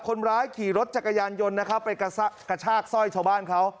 คนร้ายขี่รถจักรยานยนต์นะครับไปกระชากสร้อยชาวบ้านเขา